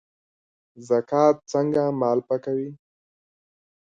زکات څنګه مال پاکوي؟